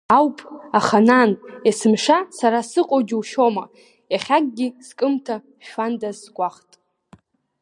Ауп, аха, нан, есымша сара сыҟоу џьушьома, иахьакгьы скымҭа шәфандаз сгәахәт.